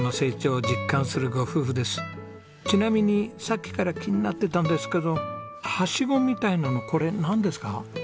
ちなみにさっきから気になってたんですけどはしごみたいなのこれなんですか？